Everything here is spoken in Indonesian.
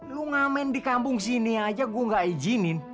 lu ngamen di kampung sini aja gua nggak ijinin